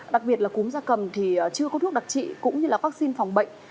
đặc biệt là cúm ra cầm thì chưa có thuốc đặc trị cũng như là vắc xin phòng bệnh